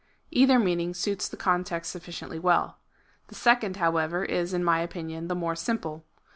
Either meaning suits the context sufficiently well. The second, however, is, in my opinion, the more simple.